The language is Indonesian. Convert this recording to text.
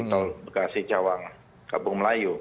tol bekasi cawang kampung melayu